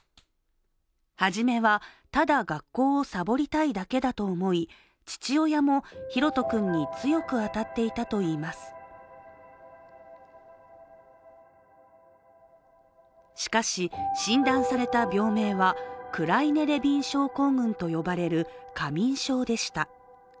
はじめは、ただ学校をさぼりたいだけだと思い父親もひろと君に強く当たっていたといいますしかし、診断された病名はクライネ・レビン症候群と呼ばれる過眠症でした。